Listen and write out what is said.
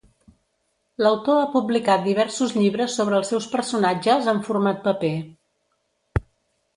L'autor ha publicat diversos llibres sobre els seus personatges en format paper.